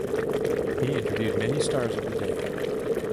He interviewed many stars of the day.